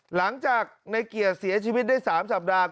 หลังจากในเกียรติเสียชีวิตได้๓สัปดาห์